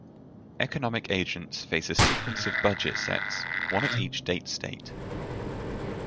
Economic agents face a sequence of budget sets, one at each date-state.